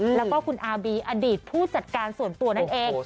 แล้วก็คุณอาบีอดีตผู้จัดการส่วนตัวนั่นเอง